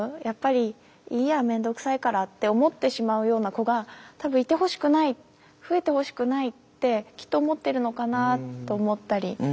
やっぱりいいや面倒くさいからって思ってしまうような子が多分いてほしくない増えてほしくないってきっと思ってるのかなと思ったり。